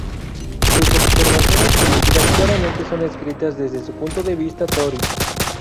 Sus observaciones políticas claramente son escritas desde su punto de vista tory.